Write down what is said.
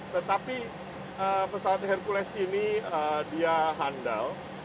tetapi pesawat hercules ini dia handal